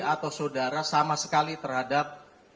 atau saudara sama sekali terhadap